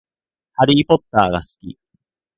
ハリーポッターが好き